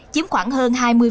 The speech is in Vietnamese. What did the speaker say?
chiếm khoảng hơn hai mươi